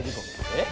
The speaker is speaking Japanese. えっ？